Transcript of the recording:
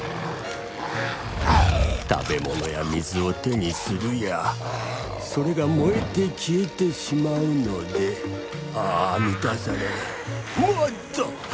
食べ物や水を手にするやそれが燃えて消えてしまうのでああ満たされないもっと！